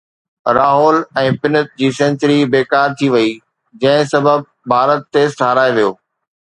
راهول ۽ پنت جي سينچري بيڪار ٿي وئي جنهن سبب ڀارت ٽيسٽ هارائي ويو